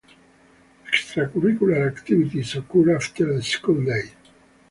Extracurricular activities occur after the school day.